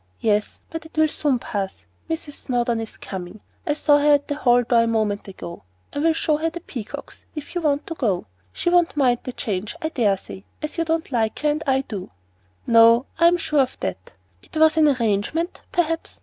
"Yes, but it will soon pass. Mrs. Snowdon is coming. I saw her at the hall door a moment ago. I will show her the peacocks, if you want to go. She won't mind the change, I dare say, as you don't like her, and I do." "No, I am sure of that. It was an arrangement, perhaps?